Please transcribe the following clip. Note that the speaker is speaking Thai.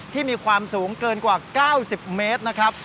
ที่มีความสูงเกินกว่า๙๐เมตรนะครับ